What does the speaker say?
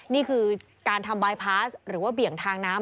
นี่คือการทำบายพาสหรือว่าเบี่ยงทางน้ำ